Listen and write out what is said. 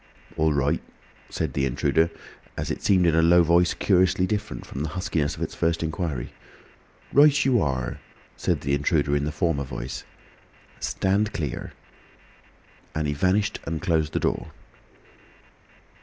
"All right," said the intruder, as it seemed in a low voice curiously different from the huskiness of its first inquiry. "Right you are," said the intruder in the former voice. "Stand clear!" and he vanished and closed the door.